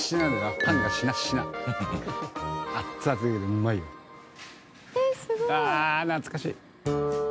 うわあ懐かしい！